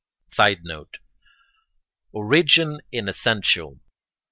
[Sidenote: Origins inessential.